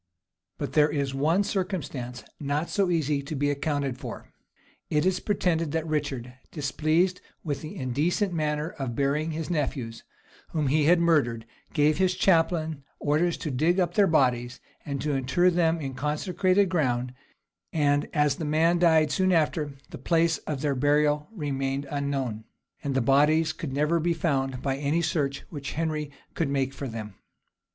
But there is one circumstance not so easy to be accounted for: it is pretended that Richard, displeased with the indecent manner of burying his nephews, whom he had murdered, gave his chaplain orders to dig up the bodies, and to inter them in consecrated ground; and as the man died soon after, the place of their burial remained unknown, and the bodies could never be found by any search which Henry could make for them.